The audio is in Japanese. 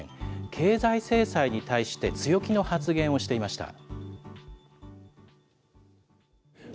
経済制裁に対して、強気の発言をしていました。